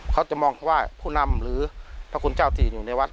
เขาจะมองเขาว่าผู้นำหรือพระคุณเจ้าที่อยู่ในวัด